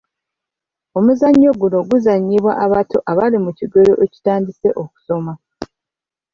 Omuzannyo guno guzannyibwa abato abali mu kigero ekitandise okusoma.